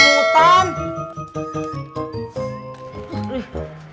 sampai jumpa lagi